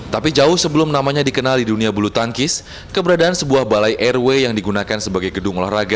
tapi jauh sebelum namanya dikenal di dunia bulu tangkis keberadaan sebuah balai rw yang digunakan sebagai gedung olahraga